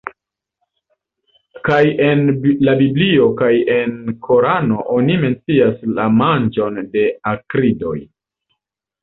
Kaj en la biblio kaj en korano oni mencias la manĝon de akridoj.